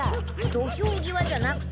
土俵際じゃなくて。